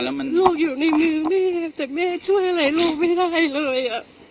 แล้วมันลูกอยู่ในมือแม่แต่แม่ช่วยอะไรลูกไม่ได้เลย